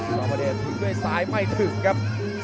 เจ้าประเด็นด้วยซ้ายไม่ถึงครับ